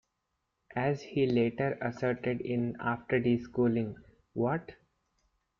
As he later asserted in After Deschooling, What?